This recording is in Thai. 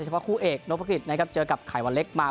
เพาะคู่เอกนภกิจนะครับเจอกับไข่วันเล็กมา